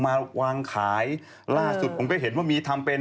มาวางขายล่าสุดผมก็เห็นว่ามีทำเป็น